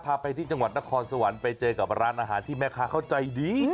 พาไปที่จังหวัดนครสวรรค์ไปเจอกับร้านอาหารที่แม่ค้าเข้าใจดี